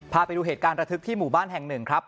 พาไปดูเหตุการณ์ระทึกที่หมู่บ้านแห่งหนึ่งครับ